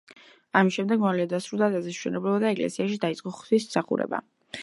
ამის შემდეგ მალევე დასრულდა ტაძრის მშენებლობა და ეკლესიაში დაიწყო ღვთისმსახურება.